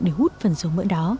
để hút phần dầu mỡ đó